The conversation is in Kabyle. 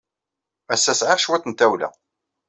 Ass-a, sɛiɣ cwiṭ n tawla.